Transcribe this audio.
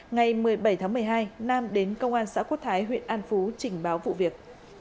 ngày một mươi bảy tháng một mươi hai nam đến công an xã quốc thái huyện an phú trình báo vụ việc